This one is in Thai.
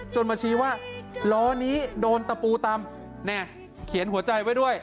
มาชี้ว่าล้อนี้โดนตะปูตำเขียนหัวใจไว้ด้วย